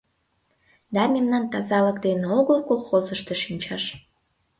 Да мемнан тазалык дене огыл колхозышто шинчаш.